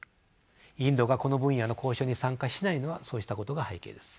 インドがこの分野の交渉に参加しないのはそうしたことが背景です。